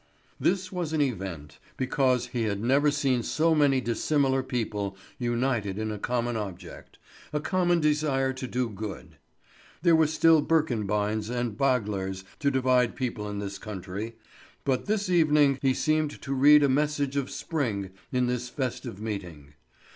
This was an event, because he had never seen so many dissimilar people united in a common object, a common desire to do good. There were still Birkebeins and Baglers to divide people in this country; but this evening he seemed to read a message of spring in this festive meeting.